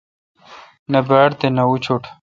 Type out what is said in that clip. نہ باڑ تے نہ بی اوشٹ۔